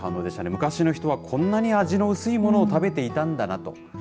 昔の人はこんなに味の薄いものを食べていたんだなと。